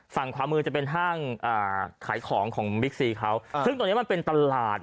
ฝั่งขวามือจะเป็นห้างอ่าขายของของบิ๊กซีเขาซึ่งตรงนี้มันเป็นตลาด